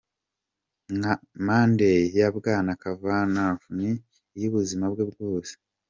Manda ya Bwana Kavanaugh ni iy'ubuzima bwe bwose.